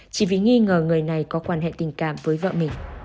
chỉ vì nghi ngờ người này có quan hệ tình cảm với vợ mình